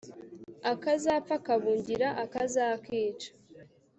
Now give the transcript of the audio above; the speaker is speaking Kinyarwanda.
Akazapfa kabungira akazakica.